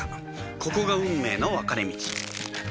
ここが運命の分かれ道